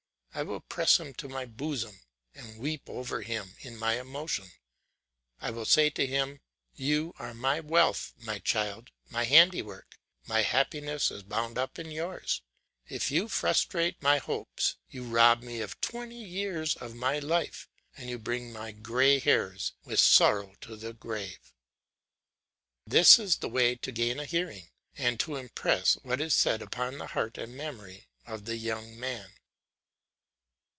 I will press him to my bosom, and weep over him in my emotion; I will say to him: "You are my wealth, my child, my handiwork; my happiness is bound up in yours; if you frustrate my hopes, you rob me of twenty years of my life, and you bring my grey hairs with sorrow to the grave." This is the way to gain a hearing and to impress what is said upon the heart and memory of the young man.